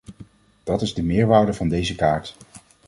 Dat is de meerwaarde van deze kaart.